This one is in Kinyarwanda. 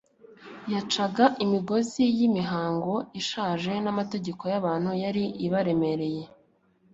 yacaga imigozi y'imihango ishaje n'amategeko y'abantu yari abaremereye;